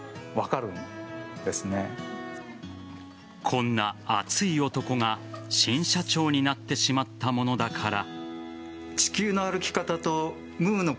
こんな熱い男が新社長になってしまったものだから。